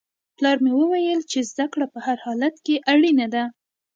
پلار مې وویل چې زده کړه په هر حالت کې اړینه ده.